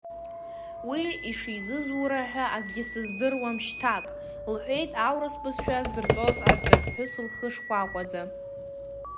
Уи ишизызура ҳәа акгьы сыздыруам шьҭак, — лҳәеит аурыс бызшәа дзырҵоз арҵаҩԥҳәыс лхы шкәакәаӡа.